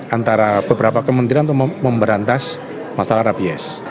antara beberapa kementerian untuk memberantas masalah rabies